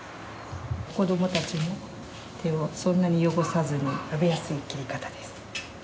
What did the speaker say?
子どもたちも手をそんなに汚さずに食べやすい切り方です。